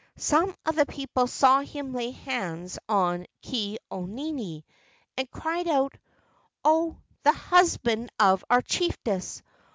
Some of the people saw him lay hands on Ke au nini, and cried out: "Oh, the husband of our chief ess!